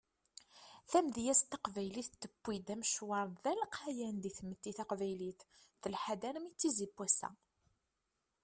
Tamedyazt taqbaylit tewwi-d amecwar d alqayan di tmetti taqbaylit telḥa-d armi d tizi n wass-a.